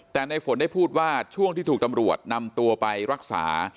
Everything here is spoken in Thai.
แต่ในฝนได้พูดว่าช่วงที่ถูกตำรวจนำตัวไปรักษา